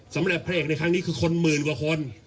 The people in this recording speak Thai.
สำหรับพระเอกในครั้งนี้คือคนหมื่นกว่าคน